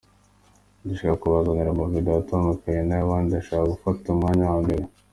Ndashaka kubazanira amavidewo atandukanye na yabandi ndashaka gufata umwanya wa mbere.